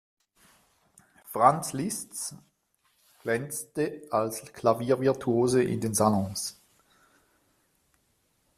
Franz Liszt glänzte als Klaviervirtuose in den Salons.